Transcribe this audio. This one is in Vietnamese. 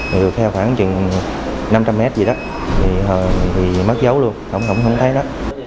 rượt theo khoảng năm trăm linh m gì đó thì mất dấu luôn không thấy đó